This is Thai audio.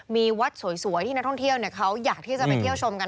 มีวัดสวยที่นักท่องเที่ยวเขาอยากที่จะไปเที่ยวชมกัน